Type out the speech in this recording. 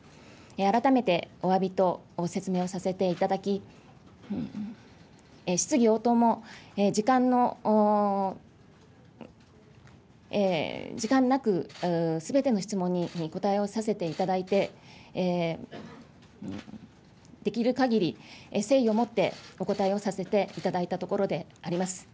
改めておわびと説明をさせていただき、質疑応答も、時間なく、すべての質問に答えさせていただいて、できるかぎり誠意をもってお答えをさせていただいたところであります。